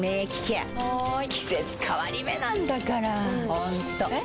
ホントえ？